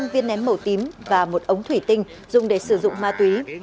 hai trăm linh viên ném màu tím và một ống thủy tinh dùng để sử dụng ma túy